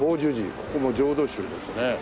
ここも浄土宗ですね。